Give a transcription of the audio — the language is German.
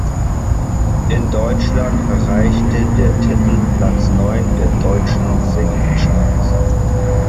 In Deutschland erreichte der Titel Platz neun der deutschen Singlecharts.